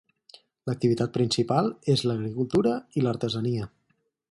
L'activitat principal és l'agricultura i l'artesania.